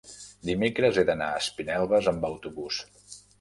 dimecres he d'anar a Espinelves amb autobús.